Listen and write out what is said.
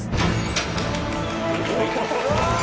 ・うわ！